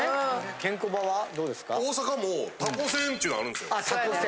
ケンコバはどうですか？